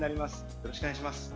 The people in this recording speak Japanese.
よろしくお願いします。